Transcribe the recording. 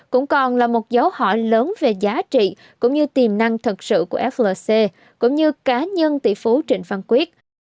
cũng còn là một dấu hỏi lớn về giá trị cũng như tiềm năng thật sự của flc cũng như cá nhân tỷ phú trịnh văn quyết